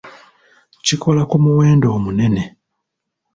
Kikola ku muwendo omunene.